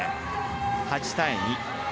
８対２。